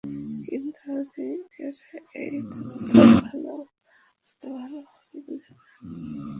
কিন্তু আধুনিকেরা এই তত্ত্বটি তত ভালরূপ বুঝেন না।